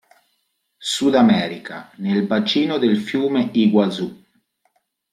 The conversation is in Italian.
Sudamerica, nel bacino del fiume Iguazú.